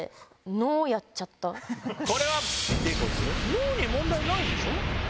脳に問題ないでしょ。